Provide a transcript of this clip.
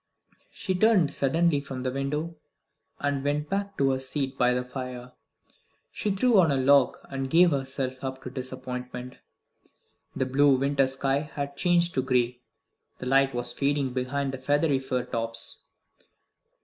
She turned sullenly from the window, and went back to her seat by the fire, and threw on a log, and gave herself up to disappointment. The blue winter sky had changed to gray; the light was fading behind the feathery fir tops.